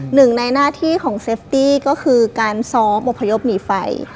หนึ่งในหน้าที่ของเซฟตี้ก็คือการซ้อมอพยพหนีไฟ